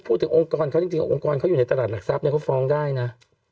พูดถึงองค์กรเขาจริงองค์กรเขาอยู่ในตลาดหลักทรัพย์เขาฟ้องได้นะ